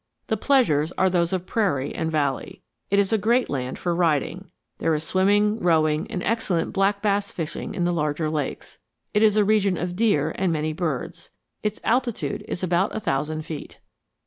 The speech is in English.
The pleasures are those of prairie and valley. It is a great land for riding. There is swimming, rowing, and excellent black bass fishing in the larger lakes. It is a region of deer and many birds. Its altitude is about a thousand feet.